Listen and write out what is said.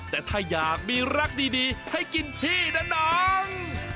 แต่ถ้าอยากมีรักดีให้กินพี่นะน้อง